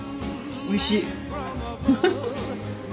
おいしいね。